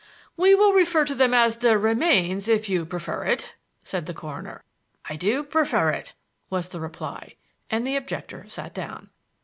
"We will refer to them as the remains, if you prefer it," said the coroner. "I do prefer it," was the reply, and the objector sat down.